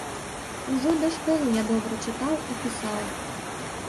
Ужо да школы я добра чытаў і пісаў.